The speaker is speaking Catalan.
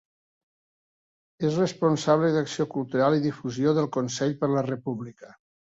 És responsable d'acció cultural i difusió del Consell per la República.